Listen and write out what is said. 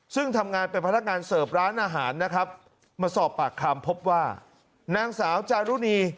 ซึ่งทำงานเป็นพนักงานเสิร์ฟร้านอาหารนะครับมาสอบปากคำพบว่านางสาวจารุณี